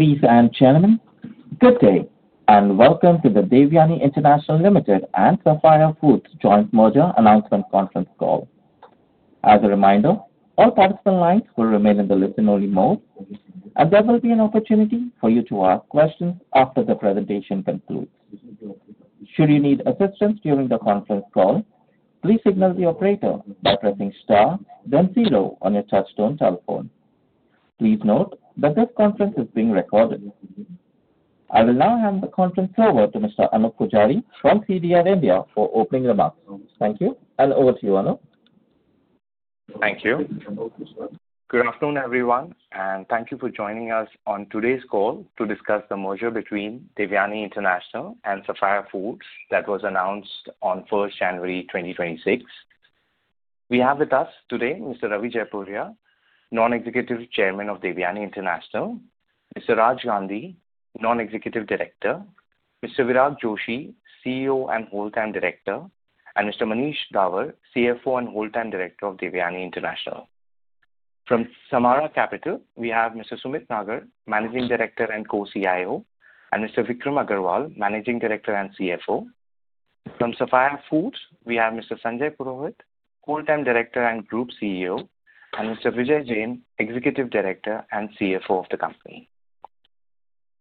Ladies and gentlemen, good day and welcome to the Devyani International Limited and Sapphire Foods Joint Merger Announcement Conference call. As a reminder, all participant lines will remain in the listen-only mode, and there will be an opportunity for you to ask questions after the presentation concludes. Should you need assistance during the conference call, please signal the operator by pressing star, then zero on your touch-tone telephone. Please note that this conference is being recorded. I will now hand the conference over to Mr. Anoop Poojari from CDR India for opening remarks. Thank you, and over to you, Anoop. Thank you. Good afternoon, everyone, and thank you for joining us on today's call to discuss the merger between Devyani International and Sapphire Foods that was announced on 1st January 2026. We have with us today Mr. Ravi Jaipuria, non-executive chairman of Devyani International, Mr. Raj Gandhi, non-executive director, Mr. Virat Joshi, CEO and whole-time director, and Mr. Manish Dawar, CFO and whole-time director of Devyani International. From Samara Capital, we have Mr. Sumit Nagar, managing director and co-CIO, and Mr. Vikram Agarwal, managing director and CFO. From Sapphire Foods, we have Mr. Sanjay Purohit, whole-time director and group CEO, and Mr. Vijay Jain, executive director and CFO of the company.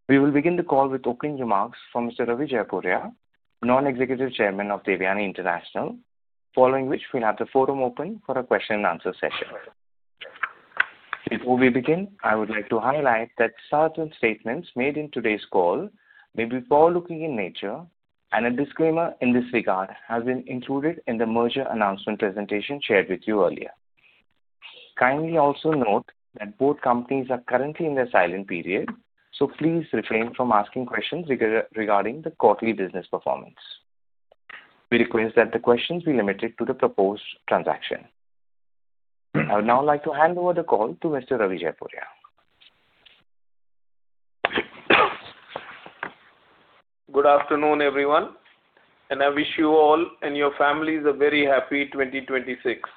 We will begin the call with opening remarks from Mr. Ravi Jaipuria, non-executive chairman of Devyani International, following which we'll have the forum open for a question-and-answer session. Before we begin, I would like to highlight that certain statements made in today's call may be forward-looking in nature, and a disclaimer in this regard has been included in the merger announcement presentation shared with you earlier. Kindly also note that both companies are currently in their silent period, so please refrain from asking questions regarding the quarterly business performance. We request that the questions be limited to the proposed transaction. I would now like to hand over the call to Mr. Ravi Jaipuria. Good afternoon, everyone, and I wish you all and your families a very happy 2026.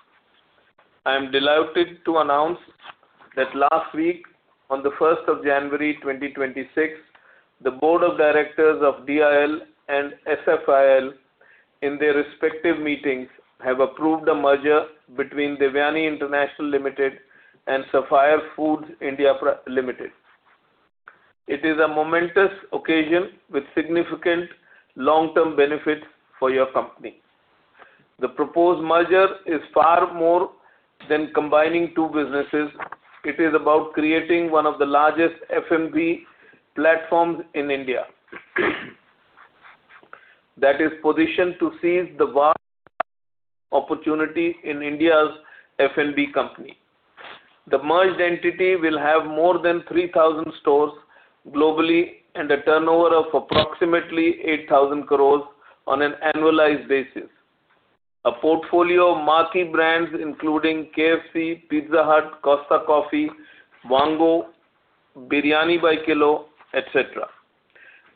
I am delighted to announce that last week, on the 1st of January 2026, the board of directors of DIL and SFIL, in their respective meetings, have approved the merger between Devyani International Limited and Sapphire Foods India Limited. It is a momentous occasion with significant long-term benefits for your company. The proposed merger is far more than combining two businesses. It is about creating one of the largest F&B platforms in India that is positioned to seize the vast opportunity in India's F&B company. The merged entity will have more than 3,000 stores globally and a turnover of approximately 8,000 crores on an annualized basis, a portfolio of marquee brands including KFC, Pizza Hut, Costa Coffee, Vaango, Biryani By Kilo, etc.,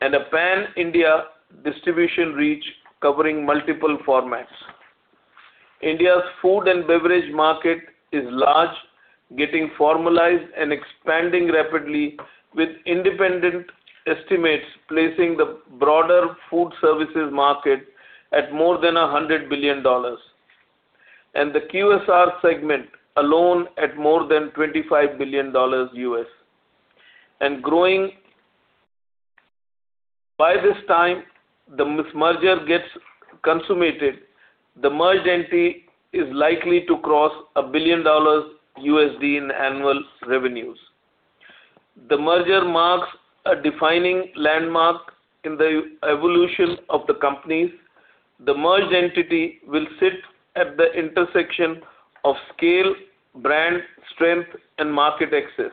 and a pan-India distribution reach covering multiple formats. India's food and beverage market is large, getting formalized and expanding rapidly, with independent estimates placing the broader food services market at more than $100 billion, and the QSR segment alone at more than $25 billion, and growing. By this time, the merger gets consummated, the merged entity is likely to cross $1 billion in annual revenues. The merger marks a defining landmark in the evolution of the companies. The merged entity will sit at the intersection of scale, brand strength, and market access.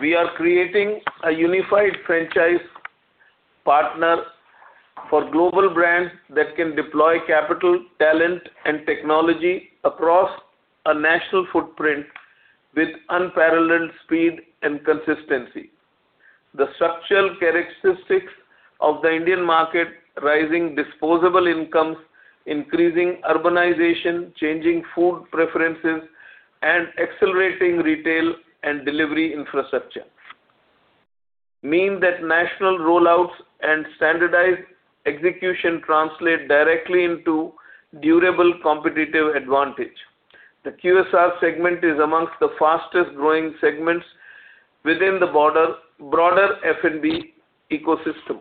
We are creating a unified franchise partner for global brands that can deploy capital, talent, and technology across a national footprint with unparalleled speed and consistency. The structural characteristics of the Indian market, rising disposable incomes, increasing urbanization, changing food preferences, and accelerating retail and delivery infrastructure, mean that national rollouts and standardized execution translate directly into durable competitive advantage. The QSR segment is among the fastest-growing segments within the broader F&B ecosystem.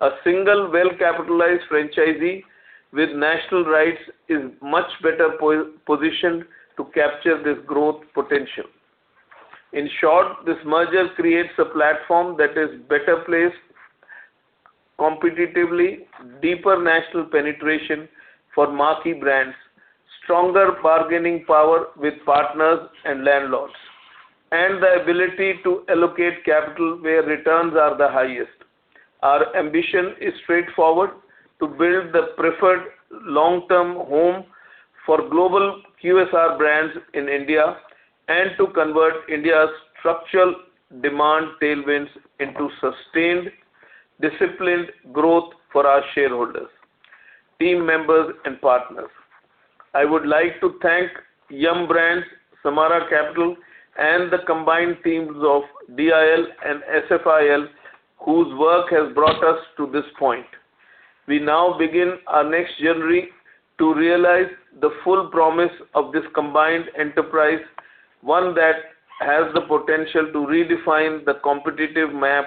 A single well-capitalized franchisee with national rights is much better positioned to capture this growth potential. In short, this merger creates a platform that is better placed competitively, deeper national penetration for marquee brands, stronger bargaining power with partners and landlords, and the ability to allocate capital where returns are the highest. Our ambition is straightforward: to build the preferred long-term home for global QSR brands in India and to convert India's structural demand tailwinds into sustained, disciplined growth for our shareholders, team members, and partners. I would like to thank Yum! Brands, Samara Capital, and the combined teams of DIL and SFIL, whose work has brought us to this point. We now begin our next journey to realize the full promise of this combined enterprise, one that has the potential to redefine the competitive map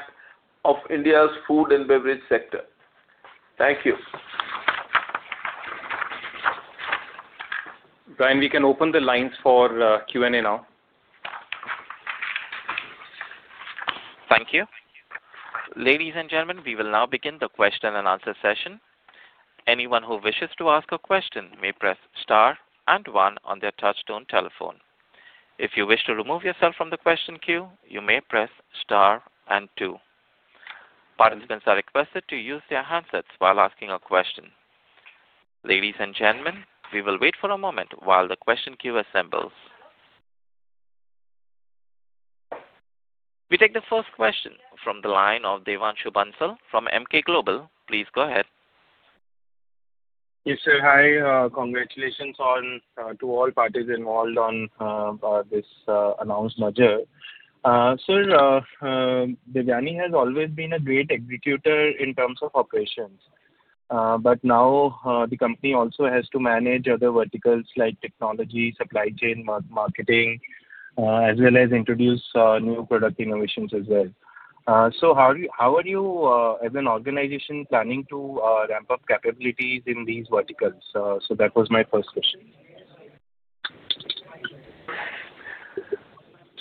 of India's food and beverage sector. Thank you. Brian, we can open the lines for Q&A now. Thank you. Ladies and gentlemen, we will now begin the question-and-answer session. Anyone who wishes to ask a question may press star and one on their touch-tone telephone. If you wish to remove yourself from the question queue, you may press star and two. Participants are requested to use their handsets while asking a question. Ladies and gentlemen, we will wait for a moment while the question queue assembles. We take the first question from the line of Devanshu Bansal from Emkay Global Financial Services. Please go ahead. Yes, sir. Hi. Congratulations to all parties involved in this announced merger. Sir, Devyani has always been a great executor in terms of operations, but now the company also has to manage other verticals like technology, supply chain, marketing, as well as introduce new product innovations as well. So how are you, as an organization, planning to ramp up capabilities in these verticals? So that was my first question.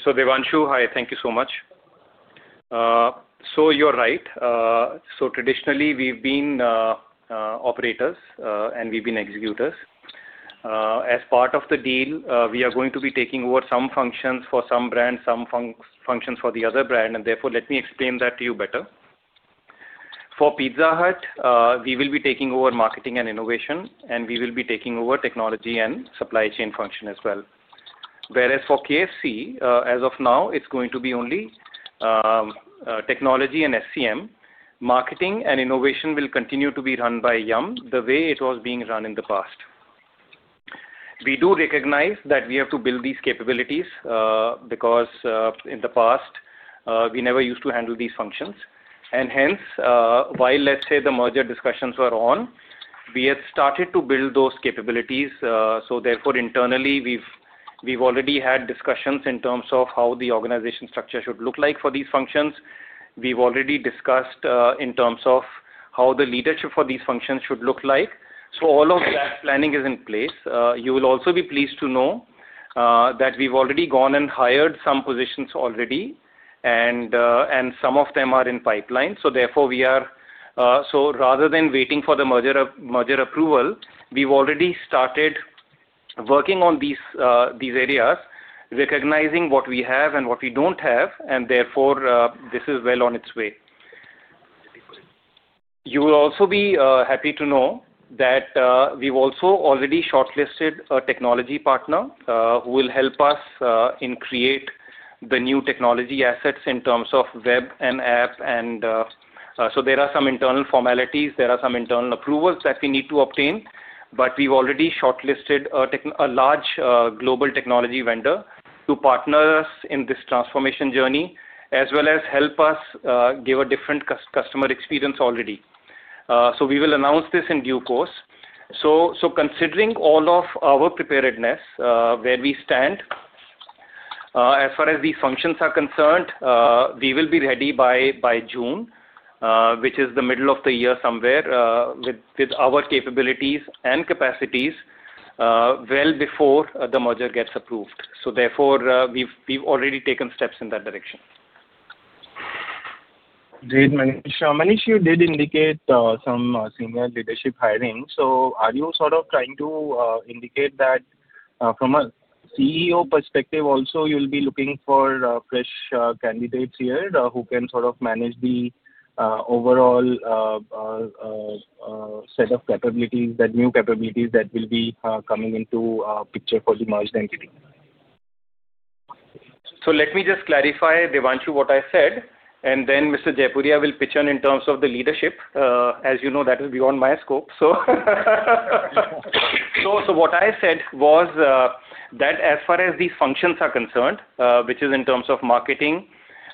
Devanshu, hi. Thank you so much. You're right. Traditionally, we've been operators and we've been executors. As part of the deal, we are going to be taking over some functions for some brands, some functions for the other brand, and therefore, let me explain that to you better. For Pizza Hut, we will be taking over marketing and innovation, and we will be taking over technology and supply chain function as well. Whereas for KFC, as of now, it's going to be only technology and SCM. Marketing and innovation will continue to be run by Yum the way it was being run in the past. We do recognize that we have to build these capabilities because in the past, we never used to handle these functions. Hence, while, let's say, the merger discussions were on, we had started to build those capabilities. So therefore, internally, we've already had discussions in terms of how the organization structure should look like for these functions. We've already discussed in terms of how the leadership for these functions should look like. So all of that planning is in place. You will also be pleased to know that we've already gone and hired some positions already, and some of them are in pipeline. So therefore, rather than waiting for the merger approval, we've already started working on these areas, recognizing what we have and what we don't have, and therefore, this is well on its way. You will also be happy to know that we've also already shortlisted a technology partner who will help us in creating the new technology assets in terms of web and app. And so there are some internal formalities. There are some internal approvals that we need to obtain, but we've already shortlisted a large global technology vendor to partner us in this transformation journey, as well as help us give a different customer experience already. So we will announce this in due course. So considering all of our preparedness, where we stand, as far as these functions are concerned, we will be ready by June, which is the middle of the year somewhere, with our capabilities and capacities well before the merger gets approved. So therefore, we've already taken steps in that direction. Manish, Manish, you did indicate some senior leadership hiring so are you sort of trying to indicate that from a CEO perspective, also, you'll be looking for fresh candidates here who can sort of manage the overall set of capabilities, the new capabilities that will be coming into the picture for the merged entity? So let me just clarify, Devanshu, what I said, and then Mr. Jaipuria will pitch on in terms of the leadership. As you know, that is beyond my scope. So what I said was that as far as these functions are concerned, which is in terms of marketing,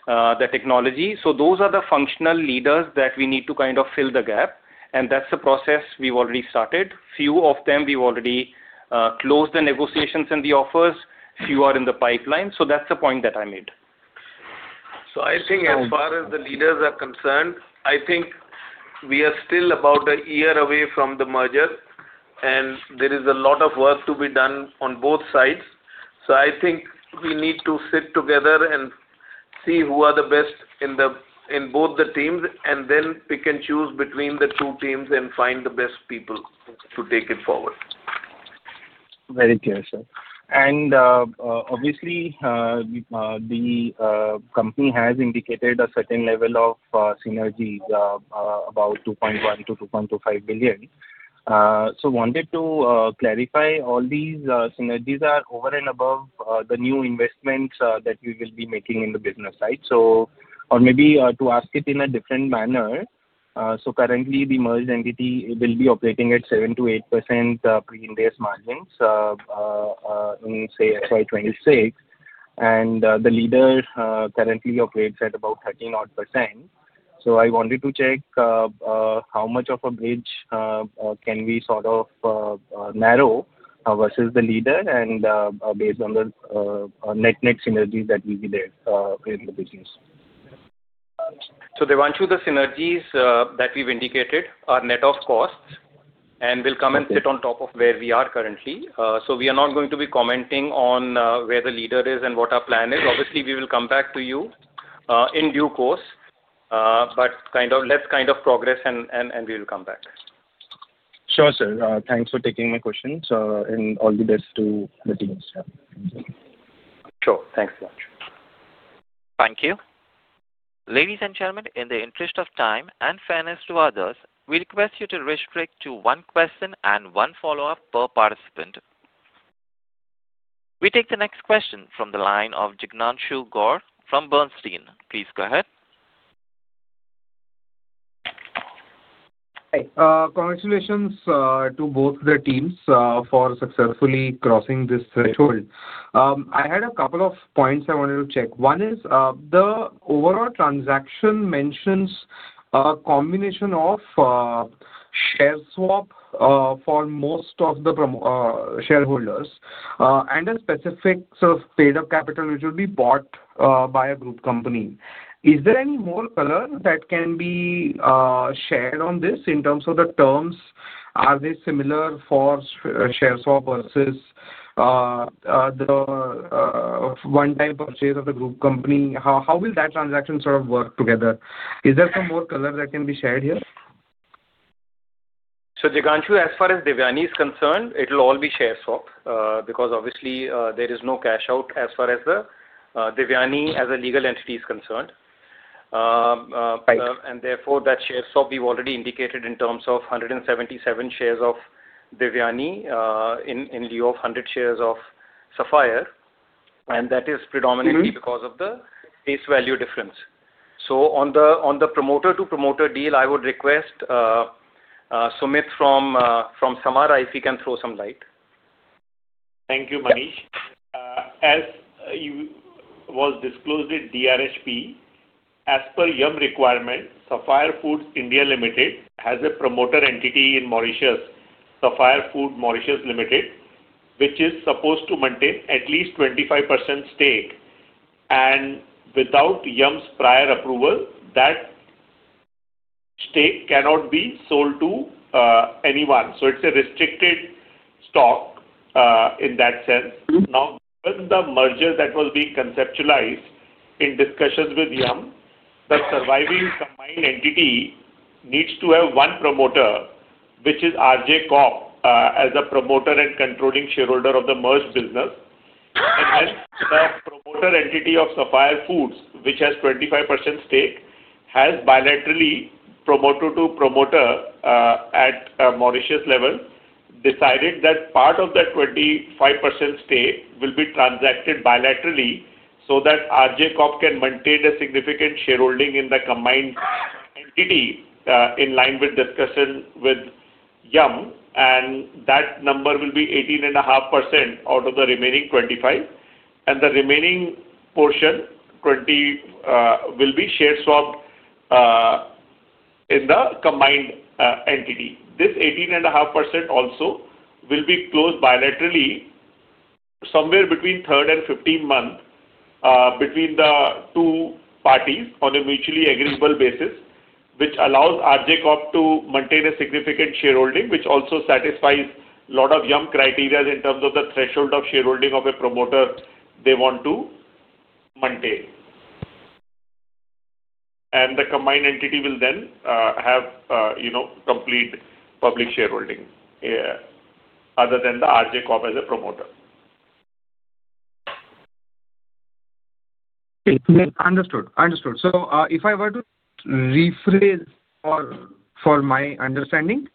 the technology, so those are the functional leaders that we need to kind of fill the gap. And that's the process we've already started. Few of them, we've already closed the negotiations and the offers. Few are in the pipeline. So that's the point that I made. I think as far as the leaders are concerned, I think we are still about a year away from the merger, and there is a lot of work to be done on both sides. I think we need to sit together and see who are the best in both the teams, and then we can choose between the two teams and find the best people to take it forward. Very clear, sir. And obviously, the company has indicated a certain level of synergy, about 2.1-2.25 billion. So wanted to clarify, all these synergies are over and above the new investments that we will be making in the business side. So or maybe to ask it in a different manner. So currently, the merged entity will be operating at 7-8% pre-Ind AS margins in, say, FY26, and the leader currently operates at about 13-odd%. So I wanted to check how much of a bridge can we sort of narrow versus the leader and based on the net-net synergies that will be there in the business. So Devanshu, the synergies that we've indicated are net of costs and will come and sit on top of where we are currently. So we are not going to be commenting on where the leader is and what our plan is. Obviously, we will come back to you in due course, but let's kind of progress and we will come back. Sure, sir. Thanks for taking my questions and all the best to the teams. Sure. Thanks so much. Thank you. Ladies and gentlemen, in the interest of time and fairness to others, we request you to restrict to one question and one follow-up per participant. We take the next question from the line of Jignanshu Gor from Bernstein. Please go ahead. Hi. Congratulations to both the teams for successfully crossing this threshold. I had a couple of points I wanted to check. One is the overall transaction mentions a combination of share swap for most of the shareholders and a specific sort of paid-up capital which will be bought by a group company. Is there any more color that can be shared on this in terms of the terms? Are they similar for share swap versus the one-time purchase of the group company? How will that transaction sort of work together? Is there some more color that can be shared here? So Jignanshu, as far as Devyani is concerned, it'll all be share swap because obviously, there is no cash out as far as the Devyani as a legal entity is concerned. And therefore, that share swap we've already indicated in terms of 177 shares of Devyani in lieu of 100 shares of Sapphire, and that is predominantly because of the face value difference. So on the promoter-to-promoter deal, I would request Sumeet from Samara if he can throw some light. Thank you, Manish. As was disclosed at DRHP, as per Yum requirement, Sapphire Foods India Limited has a promoter entity in Mauritius, Sapphire Foods Mauritius Limited, which is supposed to maintain at least 25% stake. And without Yum's prior approval, that stake cannot be sold to anyone. So it's a restricted stock in that sense. Now, with the merger that was being conceptualized in discussions with Yum, the surviving combined entity needs to have one promoter, which is RJ Corp, as a promoter and controlling shareholder of the merged business. And then the promoter entity of Sapphire Foods, which has 25% stake, has bilaterally promoter-to-promoter at Mauritius level decided that part of that 25% stake will be transacted bilaterally so that RJ Corp can maintain a significant shareholding in the combined entity in line with discussion with Yum, and that number will be 18.5% out of the remaining 25, and the remaining portion will be share swapped in the combined entity. This 18.5% also will be closed bilaterally somewhere between 3rd and 15th month between the two parties on a mutually agreeable basis, which allows RJ Corp to maintain a significant shareholding, which also satisfies a lot of Yum criteria in terms of the threshold of shareholding of a promoter they want to maintain. And the combined entity will then have complete public shareholding other than the RJ Corp as a promoter. Understood. Understood. So if I were to rephrase for my understanding,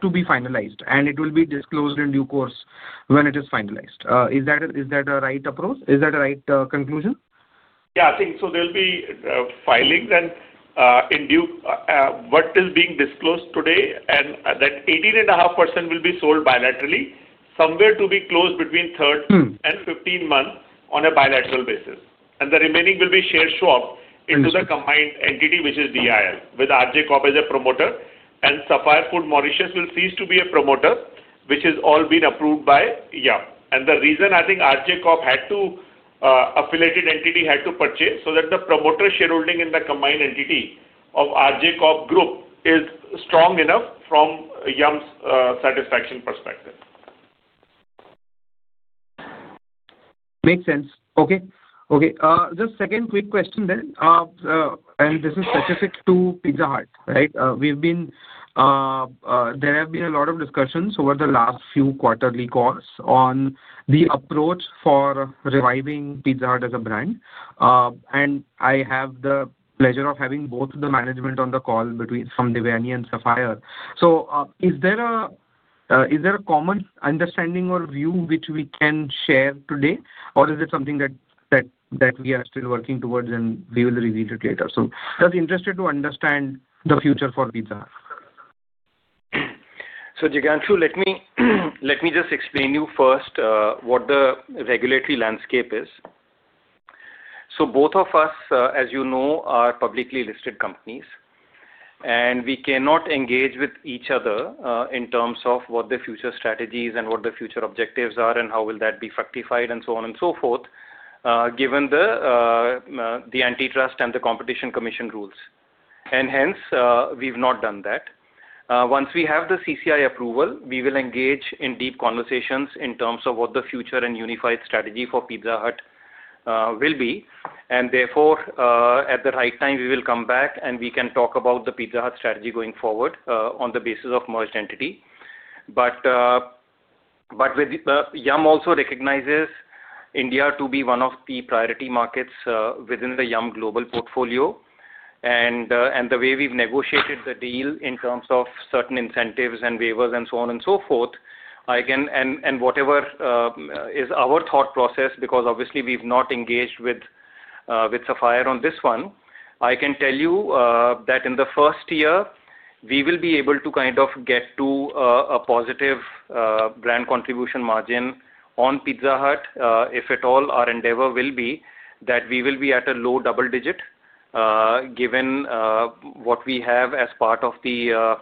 to be finalized, and it will be disclosed in due course when it is finalized, is that a right approach? Is that a right conclusion? Yeah, I think so. There'll be filings and indeed what is being disclosed today, and that 18.5% will be sold bilaterally somewhere to be closed between 3rd and 15th month on a bilateral basis. And the remaining will be share swapped into the combined entity, which is DIL, with RJ Corp as a promoter, and Sapphire Foods Mauritius will cease to be a promoter, which has all been approved by Yum. And the reason I think the RJ Corp affiliated entity had to purchase so that the promoter shareholding in the combined entity of RJ Corp Group is strong enough from Yum's satisfaction perspective. Makes sense. Okay. Okay. Just second quick question then, and this is specific to Pizza Hut, right? There have been a lot of discussions over the last few quarterly calls on the approach for reviving Pizza Hut as a brand. And I have the pleasure of having both the management on the call from Devyani and Sapphire. So is there a common understanding or view which we can share today, or is it something that we are still working towards, and we will reveal it later? So just interested to understand the future for Pizza. Jignanshu, let me just explain to you first what the regulatory landscape is. Both of us, as you know, are publicly listed companies, and we cannot engage with each other in terms of what the future strategies and what the future objectives are and how will that be fructified and so on and so forth, given the antitrust and the Competition Commission rules. Hence, we've not done that. Once we have the CCI approval, we will engage in deep conversations in terms of what the future and unified strategy for Pizza Hut will be. Therefore, at the right time, we will come back, and we can talk about the Pizza Hut strategy going forward on the basis of merged entity. But Yum also recognizes India to be one of the priority markets within the Yum global portfolio. And the way we've negotiated the deal in terms of certain incentives and waivers and so on and so forth, and whatever is our thought process, because obviously, we've not engaged with Sapphire on this one, I can tell you that in the first year, we will be able to kind of get to a positive brand contribution margin on Pizza Hut. If at all our endeavor will be, that we will be at a low double digit given what we have as part of the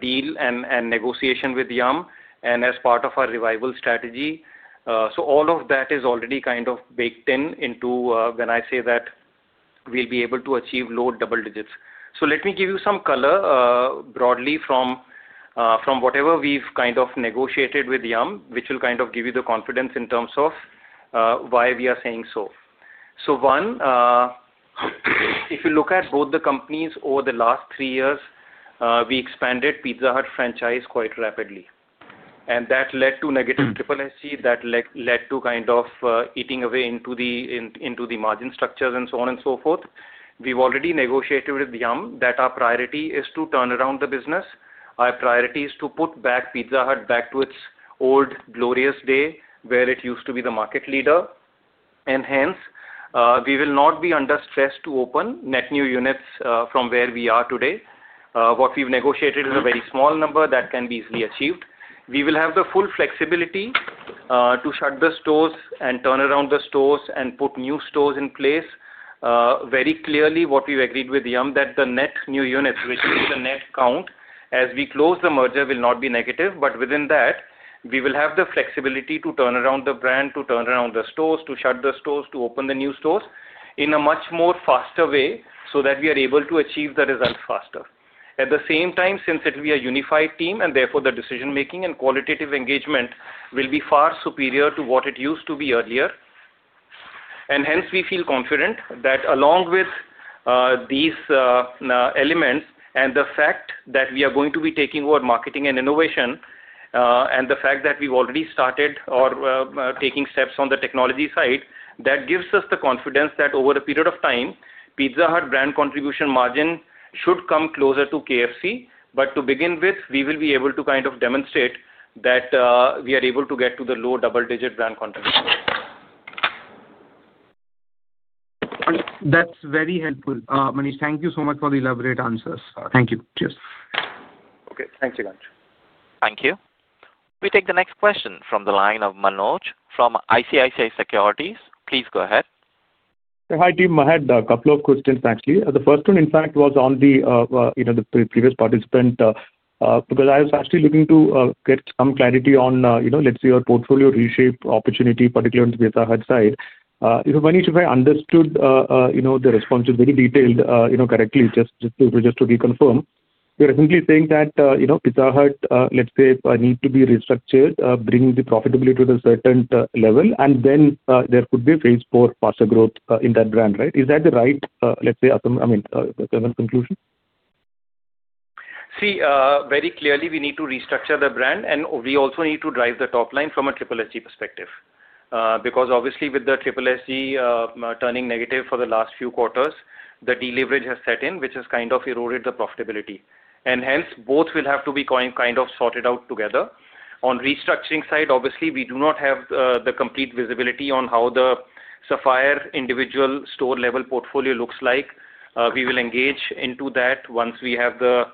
deal and negotiation with Yum and as part of our revival strategy, so all of that is already kind of baked into when I say that we'll be able to achieve low double digits. So let me give you some color broadly from whatever we've kind of negotiated with Yum, which will kind of give you the confidence in terms of why we are saying so. So one, if you look at both the companies over the last three years, we expanded Pizza Hut franchise quite rapidly, and that led to negative SSSG, that led to kind of eating away into the margin structures and so on and so forth. We've already negotiated with Yum that our priority is to turn around the business. Our priority is to put back Pizza Hut back to its old glorious day where it used to be the market leader. And hence, we will not be under stress to open net-new units from where we are today. What we've negotiated is a very small number that can be easily achieved. We will have the full flexibility to shut the stores and turn around the stores and put new stores in place. Very clearly, what we've agreed with Yum that the net-new units, which is the net count as we close the merger, will not be negative. But within that, we will have the flexibility to turn around the brand, to turn around the stores, to shut the stores, to open the new stores in a much more faster way so that we are able to achieve the result faster. At the same time, since it'll be a unified team, and therefore, the decision-making and qualitative engagement will be far superior to what it used to be earlier. And hence, we feel confident that along with these elements and the fact that we are going to be taking over marketing and innovation and the fact that we've already started or taking steps on the technology side, that gives us the confidence that over a period of time, Pizza Hut brand contribution margin should come closer to KFC. But to begin with, we will be able to kind of demonstrate that we are able to get to the low double-digit brand contribution. That's very helpful, Manish. Thank you so much for the elaborate answers. Thank you. Cheers. Okay. Thanks, Jignanshu. Thank you. We take the next question from the line of Menoj from ICICI Securities. Please go ahead. Hi team. I had a couple of questions, actually. The first one, in fact, was on the previous participant because I was actually looking to get some clarity on, let's say, your portfolio reshape opportunity, particularly on the Pizza Hut side. If Manish, if I understood the response very detailed correctly, just to reconfirm, you're simply saying that Pizza Hut, let's say, needs to be restructured, bring the profitability to a certain level, and then there could be a phase four faster growth in that brand, right? Is that the right, let's say, I mean, conclusion? See, very clearly, we need to restructure the brand, and we also need to drive the top line from a SSSG perspective because obviously, with the SSSG turning negative for the last few quarters, the deleverage has set in, which has kind of eroded the profitability. And hence, both will have to be kind of sorted out together. On restructuring side, obviously, we do not have the complete visibility on how the Sapphire individual store-level portfolio looks like. We will engage into that once we have a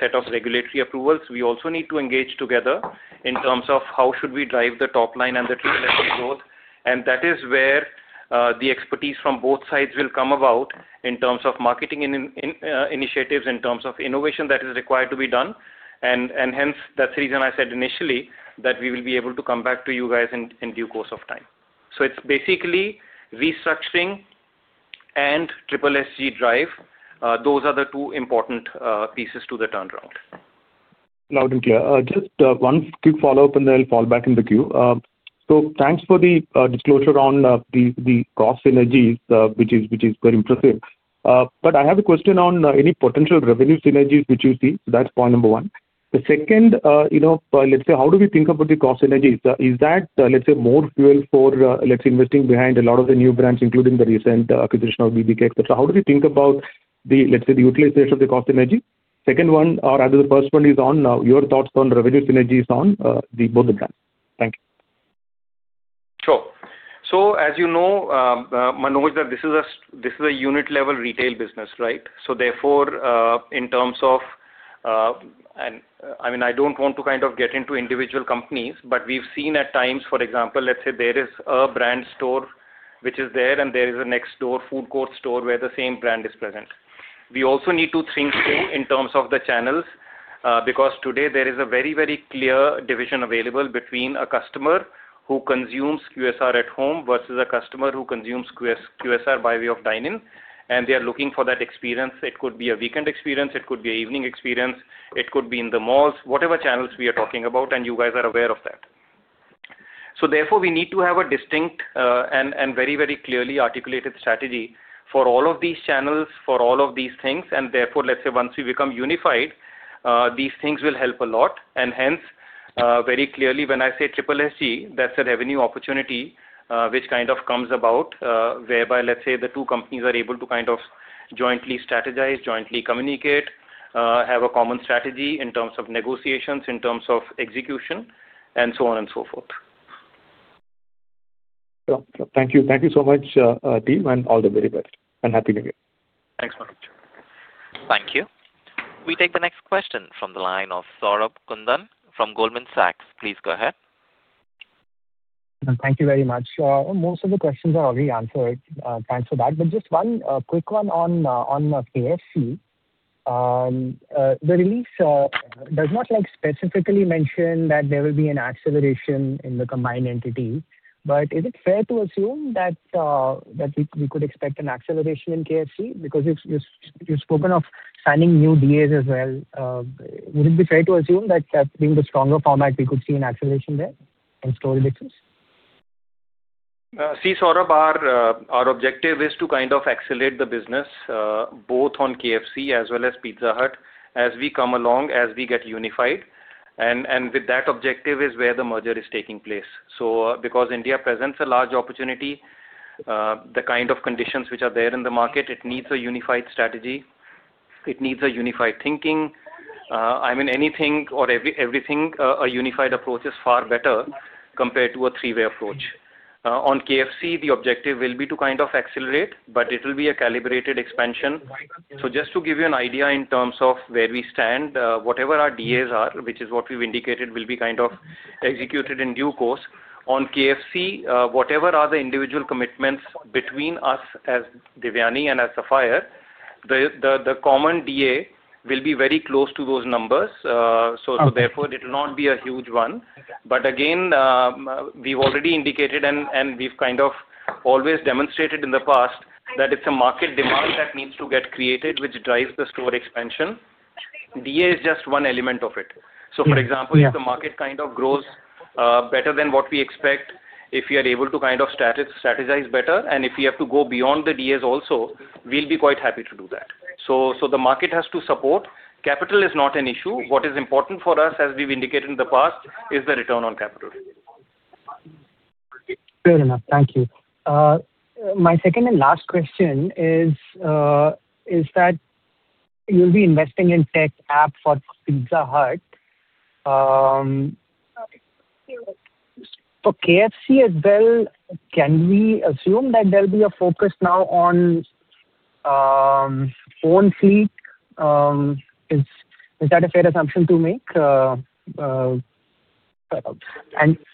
set of regulatory approvals. We also need to engage together in terms of how should we drive the top line and the SSSG growth. And that is where the expertise from both sides will come about in terms of marketing initiatives, in terms of innovation that is required to be done. And hence, that's the reason I said initially that we will be able to come back to you guys in due course of time. So it's basically restructuring and SSSG drive. Those are the two important pieces to the turnaround. Loud and clear. Just one quick follow-up, and then I'll fall back in the queue. So thanks for the disclosure on the cost synergies, which is very impressive. But I have a question on any potential revenue synergies which you see. So that's point number one. The second, let's say, how do we think about the cost synergies? Is that, let's say, more fuel for, let's say, investing behind a lot of the new brands, including the recent acquisition of BBK, etc.? How do we think about the, let's say, the utilization of the cost synergy? Second one, or rather the first one is on your thoughts on revenue synergies on both the brands. Thank you. Sure. So as you know, Menoj, that this is a unit-level retail business, right? So therefore, in terms of, and I mean, I don't want to kind of get into individual companies, but we've seen at times, for example, let's say there is a brand store which is there, and there is a next door food court store where the same brand is present. We also need to think in terms of the channels because today there is a very, very clear division available between a customer who consumes QSR at home versus a customer who consumes QSR by way of dine-in, and they are looking for that experience. It could be a weekend experience. It could be an evening experience. It could be in the malls, whatever channels we are talking about, and you guys are aware of that. So therefore, we need to have a distinct and very, very clearly articulated strategy for all of these channels, for all of these things. And therefore, let's say once we become unified, these things will help a lot. And hence, very clearly, when I say SSSG, that's a revenue opportunity which kind of comes about whereby, let's say, the two companies are able to kind of jointly strategize, jointly communicate, have a common strategy in terms of negotiations, in terms of execution, and so on and so forth. Thank you. Thank you so much, team, and all the very best, and happy New Year. Thanks, Menoj. Thank you. We take the next question from the line of Saurabh Kundan from Goldman Sachs. Please go ahead. Thank you very much. Most of the questions are already answered. Thanks for that. But just one quick one on KFC. The release does not specifically mention that there will be an acceleration in the combined entity. But is it fair to assume that we could expect an acceleration in KFC? Because you've spoken of signing new DAs as well. Would it be fair to assume that being the stronger format, we could see an acceleration there in store expansions? See, Saurabh, our objective is to kind of accelerate the business both on KFC as well as Pizza Hut as we come along, as we get unified. And with that objective is where the merger is taking place. So because India presents a large opportunity, the kind of conditions which are there in the market, it needs a unified strategy. It needs a unified thinking. I mean, anything or everything, a unified approach is far better compared to a three-way approach. On KFC, the objective will be to kind of accelerate, but it will be a calibrated expansion. So just to give you an idea in terms of where we stand, whatever our DAs are, which is what we've indicated, will be kind of executed in due course. On KFC, whatever are the individual commitments between us as Devyani and as Sapphire, the common DA will be very close to those numbers. So therefore, it will not be a huge one. But again, we've already indicated, and we've kind of always demonstrated in the past that it's a market demand that needs to get created, which drives the store expansion. DA is just one element of it. So for example, if the market kind of grows better than what we expect, if we are able to kind of strategize better, and if we have to go beyond the DAs also, we'll be quite happy to do that. So the market has to support. Capital is not an issue. What is important for us, as we've indicated in the past, is the return on capital. Fair enough. Thank you. My second and last question is that you'll be investing in tech app for Pizza Hut. For KFC as well, can we assume that there'll be a focus now on own fleet? Is that a fair assumption to make? And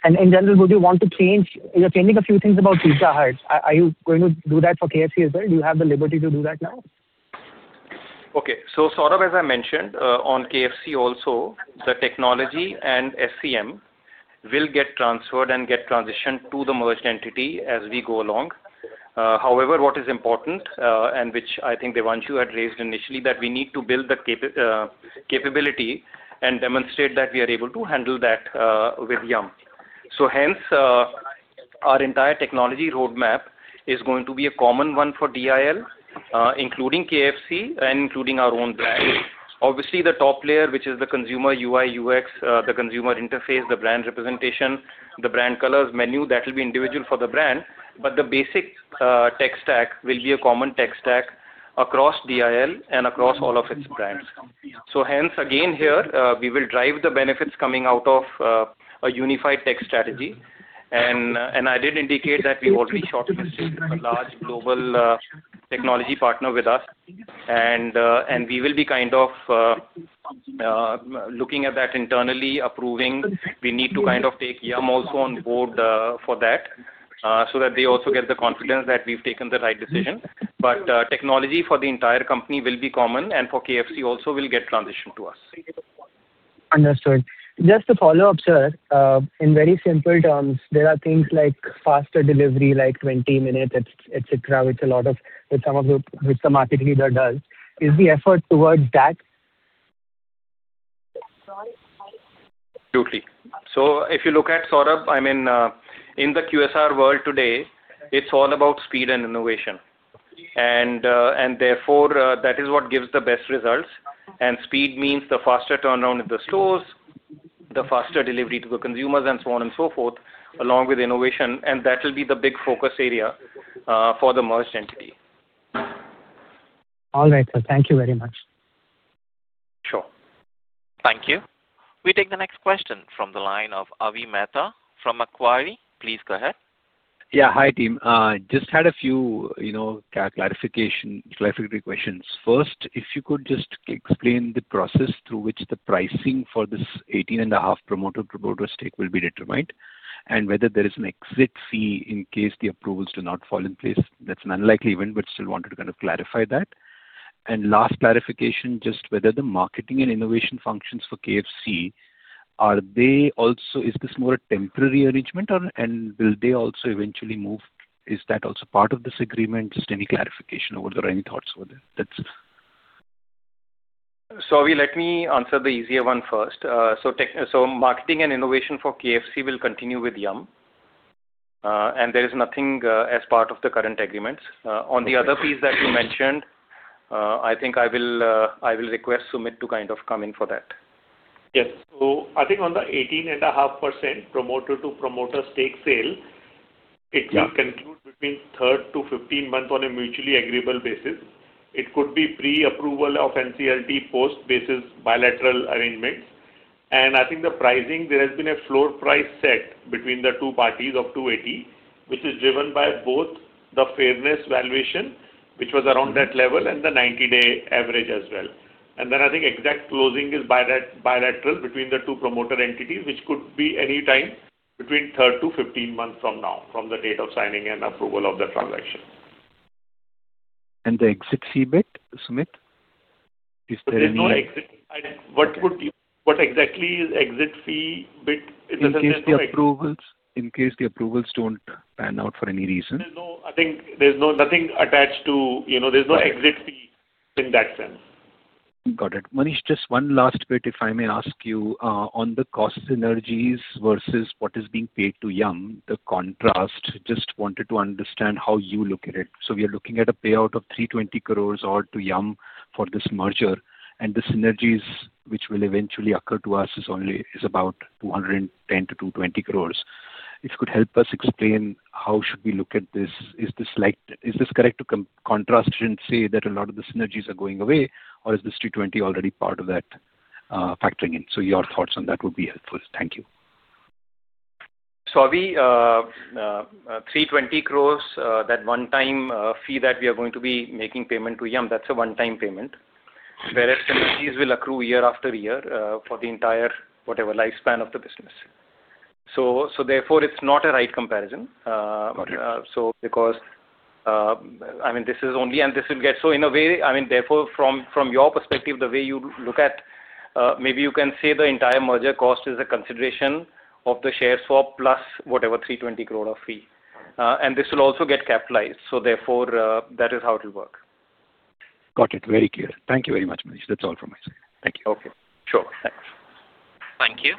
in general, would you want to change? You're changing a few things about Pizza Hut. Are you going to do that for KFC as well? Do you have the liberty to do that now? Okay, so Saurabh, as I mentioned, on KFC also, the technology and SCM will get transferred and get transitioned to the merged entity as we go along. However, what is important and which I think Devanshu had raised initially, that we need to build the capability and demonstrate that we are able to handle that with Yum, so hence, our entire technology roadmap is going to be a common one for DIL, including KFC and including our own brand. Obviously, the top layer, which is the consumer UI, UX, the consumer interface, the brand representation, the brand colors, menu, that will be individual for the brand. But the basic tech stack will be a common tech stack across DIL and across all of its brands, so hence, again here, we will drive the benefits coming out of a unified tech strategy. I did indicate that we've already shortlisted a large global technology partner with us, and we will be kind of looking at that internally, approving. We need to kind of take Yum also on board for that so that they also get the confidence that we've taken the right decision. Technology for the entire company will be common, and for KFC also, will get transitioned to us. Understood. Just to follow up, sir, in very simple terms, there are things like faster delivery, like 20 minutes, etc., which some of the market leader does. Is the effort towards that? Totally. So if you look at Saurabh, I mean, in the QSR world today, it's all about speed and innovation. And therefore, that is what gives the best results. And speed means the faster turnaround at the stores, the faster delivery to the consumers, and so on and so forth, along with innovation. And that will be the big focus area for the merged entity. All right, so thank you very much. Sure. Thank you. We take the next question from the line of Avi Mehta from Macquarie. Please go ahead. Yeah. Hi, team. Just had a few clarification questions. First, if you could just explain the process through which the pricing for this 18-and-a-half promoter-to-promoter stake will be determined and whether there is an exit fee in case the approvals do not fall in place. That's an unlikely event, but still wanted to kind of clarify that. And last clarification, just whether the marketing and innovation functions for KFC, is this more a temporary arrangement, and will they also eventually move? Is that also part of this agreement? Just any clarification over there or any thoughts over there. That's it. So let me answer the easier one first. So marketing and innovation for KFC will continue with Yum, and there is nothing as part of the current agreements. On the other piece that you mentioned, I think I will request Sumeet to kind of come in for that. Yes. So I think on the 18.5% promoter-to-promoter stake sale, it will conclude between 13-15 months on a mutually agreeable basis. It could be pre-approval of NCLT post basis bilateral arrangements. And I think the pricing, there has been a floor price set between the two parties of 280, which is driven by both the fairness valuation, which was around that level, and the 90-day average as well. And then I think exact closing is bilateral between the two promoter entities, which could be anytime between 13-15 months from now, from the date of signing and approval of the transaction. The exit fee bit, Sumeet? Is there any? There is no exit. What exactly is exit fee bit? It doesn't say something. In case the approvals don't pan out for any reason? There's nothing attached to it. There's no exit fee in that sense. Got it. Manish, just one last bit, if I may ask you, on the cost synergies versus what is being paid to Yum, the contrast, just wanted to understand how you look at it. So we are looking at a payout of 320 crores to Yum for this merger, and the synergies which will eventually occur to us is about 210-220 crores. If you could help us explain how should we look at this, is this correct to contrast and say that a lot of the synergies are going away, or is this 320 already part of that factoring in? So your thoughts on that would be helpful. Thank you. So 320 crores, that one-time fee that we are going to be making payment to Yum, that's a one-time payment, whereas synergies will accrue year after year for the entire, whatever, lifespan of the business. So therefore, it's not a right comparison. Got it. Because, I mean, this is only, and this will get so in a way, I mean, therefore, from your perspective, the way you look at, maybe you can say the entire merger cost is a consideration of the share swap plus whatever 320 crore of fee. This will also get capitalized. Therefore, that is how it will work. Got it. Very clear. Thank you very much, Manish. That's all from my side. Thank you. Okay. Sure. Thanks. Thank you.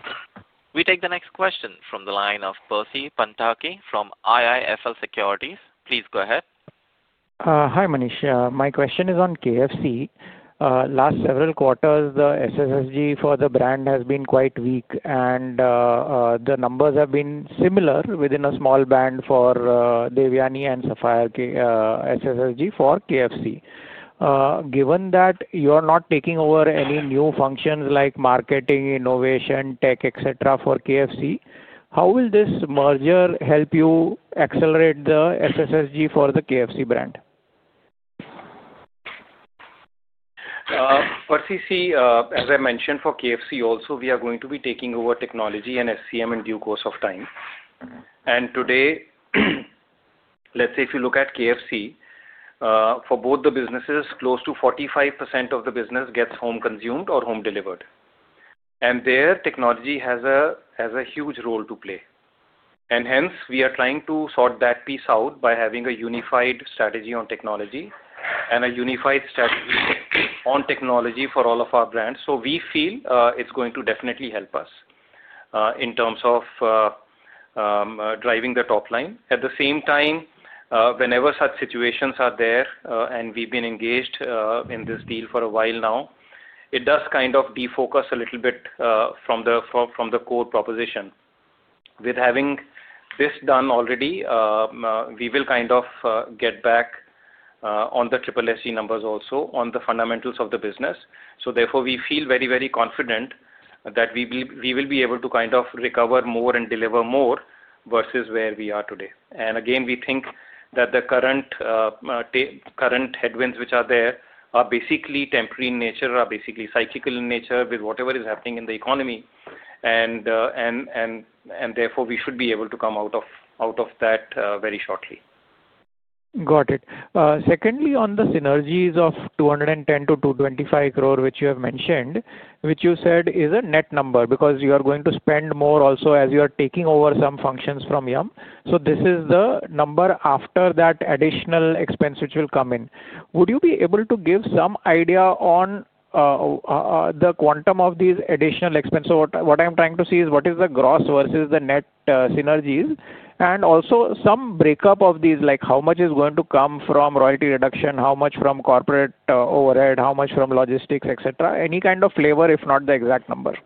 We take the next question from the line of Percy Panthaki from IIFL Securities. Please go ahead. Hi, Manish. My question is on KFC. Last several quarters, the SSSG for the brand has been quite weak, and the numbers have been similar within a small band for Devyani and Sapphire SSSG for KFC. Given that you are not taking over any new functions like marketing, innovation, tech, etc. for KFC, how will this merger help you accelerate the SSSG for the KFC brand? Percy, as I mentioned, for KFC also, we are going to be taking over technology and SCM in due course of time, and today, let's say if you look at KFC, for both the businesses, close to 45% of the business gets home consumed or home delivered, and there, technology has a huge role to play, and hence, we are trying to sort that piece out by having a unified strategy on technology and a unified strategy on technology for all of our brands, so we feel it's going to definitely help us in terms of driving the top line. At the same time, whenever such situations are there, and we've been engaged in this deal for a while now, it does kind of defocus a little bit from the core proposition. With having this done already, we will kind of get back on the SSSG numbers also, on the fundamentals of the business. So therefore, we feel very, very confident that we will be able to kind of recover more and deliver more versus where we are today. And again, we think that the current headwinds which are there are basically temporary in nature, are basically cyclical in nature with whatever is happening in the economy. And therefore, we should be able to come out of that very shortly. Got it. Secondly, on the synergies of 210-225 crore, which you have mentioned, which you said is a net number because you are going to spend more also as you are taking over some functions from Yum. So this is the number after that additional expense which will come in. Would you be able to give some idea on the quantum of these additional expenses? So what I'm trying to see is what is the gross versus the net synergies and also some breakdown of these, like how much is going to come from royalty reduction, how much from corporate overhead, how much from logistics, etc.? Any kind of flavor, if not the exact number?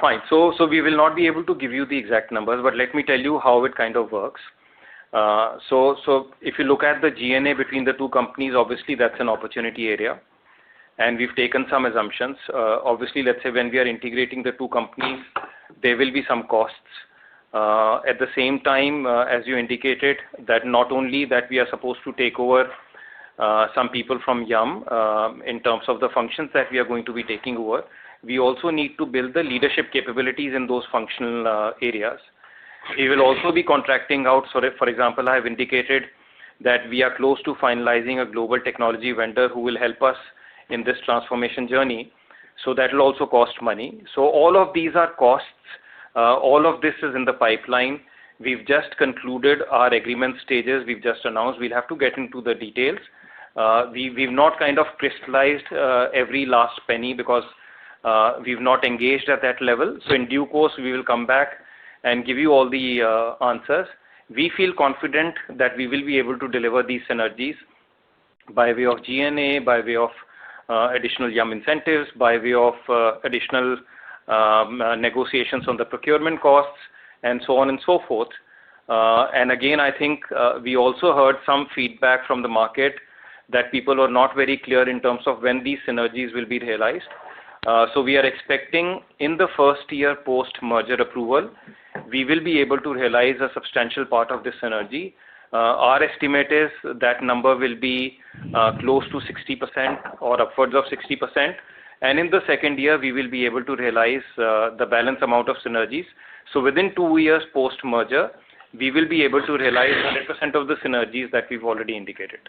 Fine. So we will not be able to give you the exact numbers, but let me tell you how it kind of works. So if you look at the G&A between the two companies, obviously, that's an opportunity area. And we've taken some assumptions. Obviously, let's say when we are integrating the two companies, there will be some costs. At the same time, as you indicated, that not only that we are supposed to take over some people from Yum in terms of the functions that we are going to be taking over, we also need to build the leadership capabilities in those functional areas. We will also be contracting out. For example, I have indicated that we are close to finalizing a global technology vendor who will help us in this transformation journey. So that will also cost money. So all of these are costs. All of this is in the pipeline. We've just concluded our agreement stages. We've just announced. We'll have to get into the details. We've not kind of crystallized every last penny because we've not engaged at that level. So in due course, we will come back and give you all the answers. We feel confident that we will be able to deliver these synergies by way of G&A, by way of additional Yum incentives, by way of additional negotiations on the procurement costs, and so on and so forth. And again, I think we also heard some feedback from the market that people are not very clear in terms of when these synergies will be realized. So we are expecting in the first year post-merger approval, we will be able to realize a substantial part of this synergy. Our estimate is that number will be close to 60% or upwards of 60%, and in the second year, we will be able to realize the balance amount of synergies, so within two years post-merger, we will be able to realize 100% of the synergies that we've already indicated.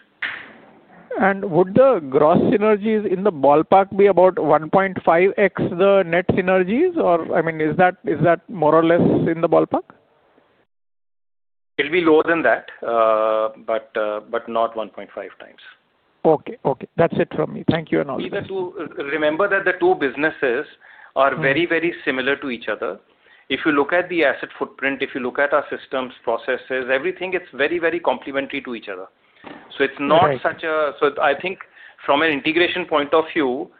Would the gross synergies in the ballpark be about 1.5x the net synergies? Or I mean, is that more or less in the ballpark? It'll be lower than that, but not 1.5 times. Okay. Okay. That's it from me. Thank you and all. Remember that the two businesses are very, very similar to each other. If you look at the asset footprint, if you look at our systems, processes, everything, it's very, very complementary to each other. So I think from an integration point of view,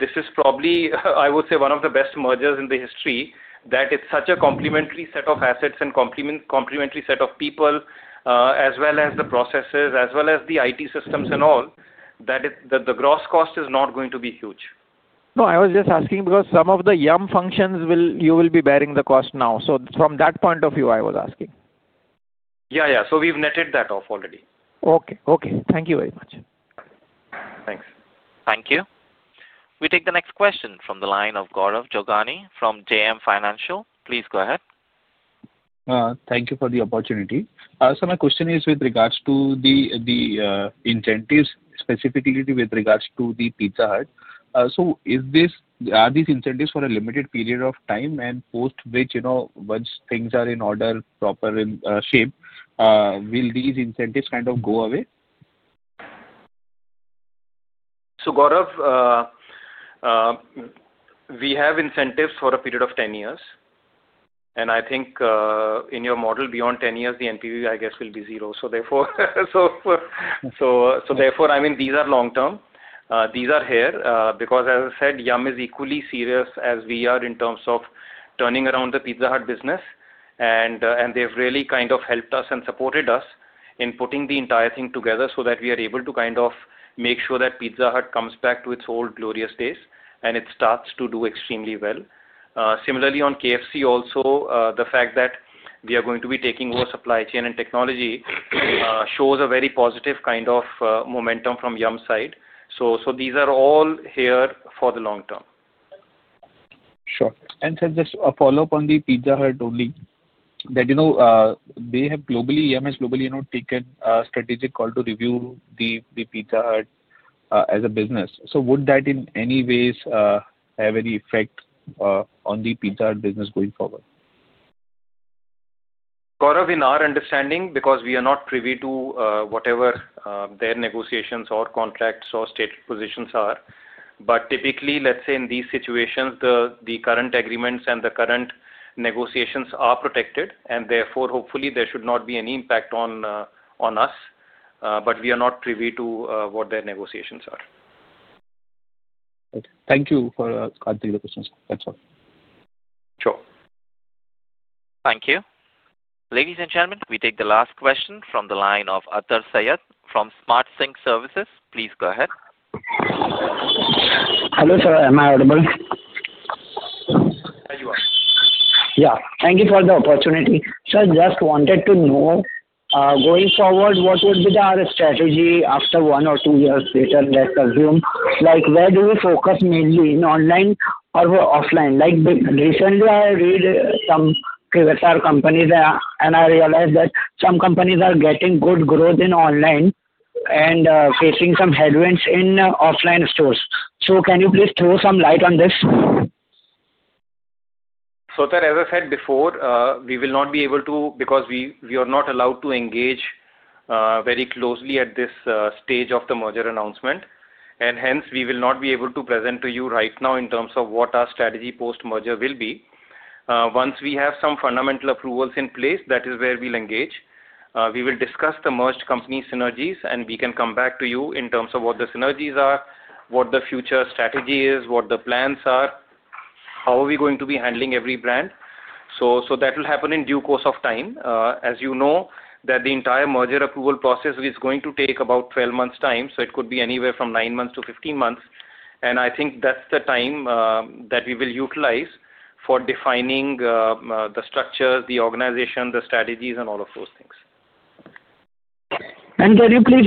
this is probably, I would say, one of the best mergers in the history that it's such a complementary set of assets and complementary set of people, as well as the processes, as well as the IT systems and all, that the gross cost is not going to be huge. No, I was just asking because some of the Yum functions you will be bearing the cost now. So from that point of view, I was asking. Yeah. Yeah, so we've netted that off already. Okay. Okay. Thank you very much. Thanks. Thank you. We take the next question from the line of Gaurav Jogani from JM Financial. Please go ahead. Thank you for the opportunity. So my question is with regards to the incentives, specifically with regards to the Pizza Hut. So are these incentives for a limited period of time? And once things are in order, proper shape, will these incentives kind of go away? Gaurav, we have incentives for a period of 10 years. I think in your model, beyond 10 years, the NPV, I guess, will be zero. Therefore, I mean, these are long-term. These are here because, as I said, Yum is equally serious as we are in terms of turning around the Pizza Hut business. They've really kind of helped us and supported us in putting the entire thing together so that we are able to kind of make sure that Pizza Hut comes back to its old glorious days and it starts to do extremely well. Similarly, on KFC also, the fact that we are going to be taking over supply chain and technology shows a very positive kind of momentum from Yum side. These are all here for the long term. Sure. And just a follow-up on the Pizza Hut only, that Yum has globally taken a strategic call to review the Pizza Hut as a business. So would that in any ways have any effect on the Pizza Hut business going forward? Gaurav, in our understanding, because we are not privy to whatever their negotiations or contracts or stated positions are. But typically, let's say in these situations, the current agreements and the current negotiations are protected. Therefore, hopefully, there should not be any impact on us. But we are not privy to what their negotiations are. Thank you for answering the questions. Thanks a lot. Sure. Thank you. Ladies and gentlemen, we take the last question from the line of Arthur Sayed from SmartSync Services. Please go ahead. Hello, sir. Am I audible? Yeah. Yeah. Thank you for the opportunity. Sir, just wanted to know, going forward, what would be our strategy after one or two years later, let's assume? Where do we focus mainly, in online or offline? Recently, I read some pivot companies, and I realized that some companies are getting good growth in online and facing some headwinds in offline stores. So can you please throw some light on this? So then, as I said before, we will not be able to because we are not allowed to engage very closely at this stage of the merger announcement. And hence, we will not be able to present to you right now in terms of what our strategy post-merger will be. Once we have some fundamental approvals in place, that is where we'll engage. We will discuss the merged company synergies, and we can come back to you in terms of what the synergies are, what the future strategy is, what the plans are, how are we going to be handling every brand. So that will happen in due course of time. As you know, the entire merger approval process is going to take about 12 months' time. So it could be anywhere from nine months to 15 months. I think that's the time that we will utilize for defining the structures, the organization, the strategies, and all of those things. Can you please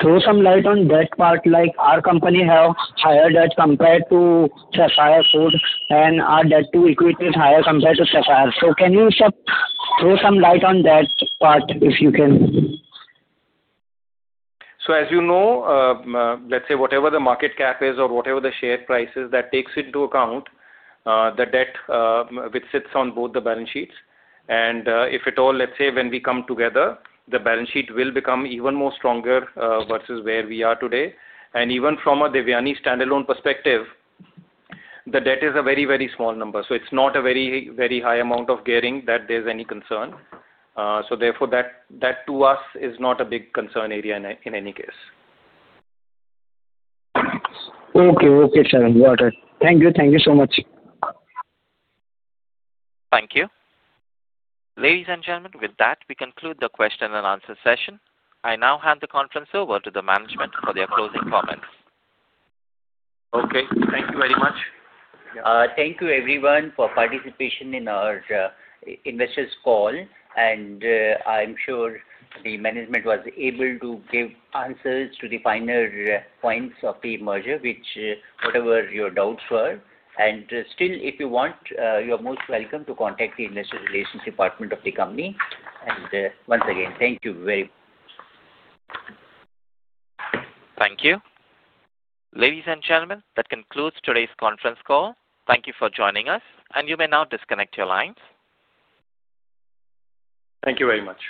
throw some light on that part? Our company has higher debt compared to Sapphire Foods, and our debt to equity is higher compared to Sapphire. Can you throw some light on that part if you can? So as you know, let's say whatever the market cap is or whatever the share price is, that takes into account the debt which sits on both the balance sheets. And if at all, let's say when we come together, the balance sheet will become even more stronger versus where we are today. And even from a Devyani standalone perspective, the debt is a very, very small number. So it's not a very, very high amount of gearing that there's any concern. So therefore, that to us is not a big concern area in any case. Okay. Okay, sir. Got it. Thank you. Thank you so much. Thank you. Ladies and gentlemen, with that, we conclude the question and answer session. I now hand the conference over to the management for their closing comments. Okay. Thank you very much. Thank you, everyone, for participating in our investors' call. And I'm sure the management was able to give answers to the final points of the merger, which whatever your doubts were. And still, if you want, you are most welcome to contact the investor relations department of the company. And once again, thank you very much. Thank you. Ladies and gentlemen, that concludes today's conference call. Thank you for joining us, and you may now disconnect your lines. Thank you very much.